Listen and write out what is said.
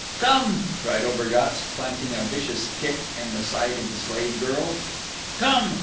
"Come," cried Obergatz, planting a vicious kick in the side of the slave girl. "Come!